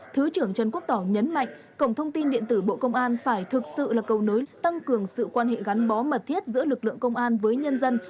thứ trưởng trần quốc tỏ nhấn mạnh cổng thông tin điện tử bộ công an phải thực sự là cầu nối tăng cường sự quan hệ gắn bó mật thiết giữa lực lượng công an với nhân dân